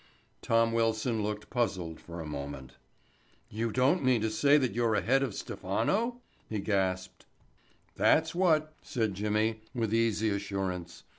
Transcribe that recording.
Tom Wilson looked puzzled for a moment. "You don't mean to say that you're ahead of Stephano?" he gasped. "That's what," said Jimmy, with easy assurance.